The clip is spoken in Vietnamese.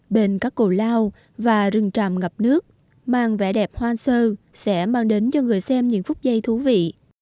bên các cổ lao và rừng tràm ngập nước mang vẻ đẹp hoang sơ sẽ mang đến cho người xem những phút giây thú vị